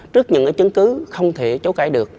trước những chứng cứ không thể chấu cãi được